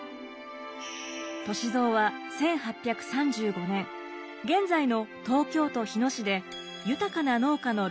歳三は１８３５年現在の東京都日野市で豊かな農家の六男に生まれました。